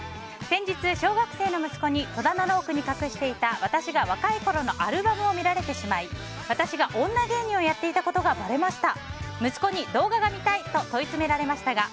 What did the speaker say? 先日、小学生の息子に戸棚の奥に隠していた私が若いころのアルバムを見られてしまい私が女芸人をやっていたことがばれました。